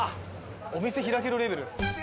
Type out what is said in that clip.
お店開けるレベルですね。